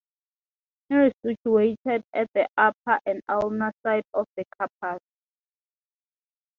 It is situated at the upper and ulnar side of the carpus.